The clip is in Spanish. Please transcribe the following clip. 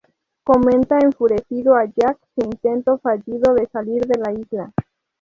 Comenta enfurecido a Jack su intento fallido de salir de la isla.